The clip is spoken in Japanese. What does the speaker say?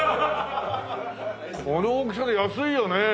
この大きさで安いよね。